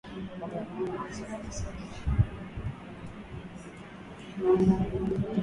Jumuiya ya Kujihami imesema vikosi hivyo vinatuma ujumbe kwa Moscow kwamba muungano huo utatetea kila nchi ya eneo lake.